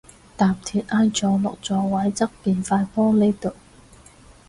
搭鐵挨咗落座位側邊塊玻璃度